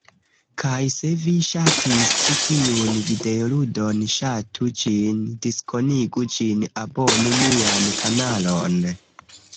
Kaj se vi ŝatis ĉi tiun videoludon, ŝatu ĝin, diskonigu ĝin, abonu mian kanalon.